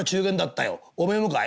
「おめえもかい？」。